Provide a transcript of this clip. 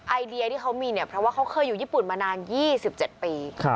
ไอเดียที่เขามีเนี่ยเพราะว่าเขาเคยอยู่ญี่ปุ่นมานาน๒๗ปี